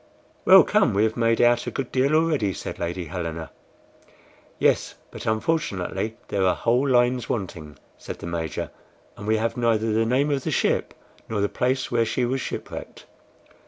"Well, come, we have made out a good deal already," said Lady Helena. "Yes, but unfortunately there are whole lines wanting," said the Major, "and we have neither the name of the ship nor the place where she was shipwrecked."